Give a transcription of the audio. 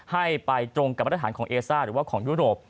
ให้ไปตรงกับมาตรฐานของเอซ่าหรือว่าของยุโรป